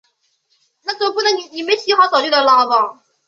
然后凭借这两个港口建立前进基地。